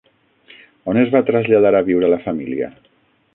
On es va traslladar a viure la família?